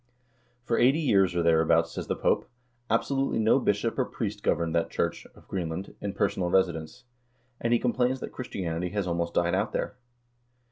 "For eighty years, or thereabouts," says the Pope, "absolutely no bishop or priest governed that church (of Greenland) in personal residence," and he complains that Christianity has almost died out there.